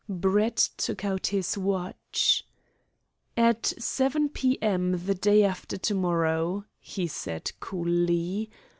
Brett took out his watch. "At seven p.m., the day after to morrow," he said coolly.